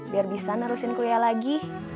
biar bisa nerusin kuliah lagi